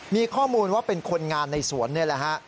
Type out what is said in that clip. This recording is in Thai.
มีข้อมูลว่าเป็นคนงานในสวนนี่แหละฮะ